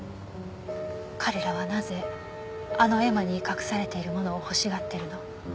彼らはなぜあの絵馬に隠されているものを欲しがってるの？